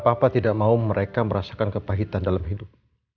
papa tidak mau mereka merasakan kepahitan dalam hidup